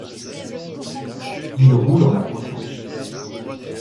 Il roule en approchant.